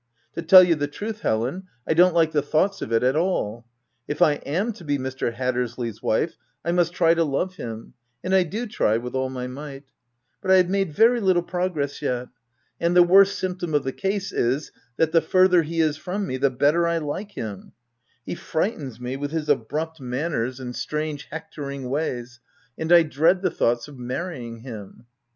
To tell you the truth, Helen, I don't like the thoughts of it at all. If I am to be Mr. Hattersley's wife, I must try to love him ; and I do try with all my might ; but I have made very little progress yet ; and the worst symptom of the case is, that the further he is from me the better I like him : he frightens me with his abrupt manners 110 THE TENANT and strange hectoring ways, and I dread the thoughts of marrying him.